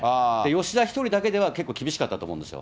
吉田１人だけでは、結構厳しかったと思うんですよ。